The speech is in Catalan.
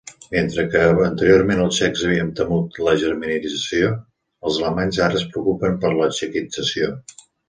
Mentre que anteriorment els txecs havien temut la germanització, els alemanys ara es preocupaven per la txequització.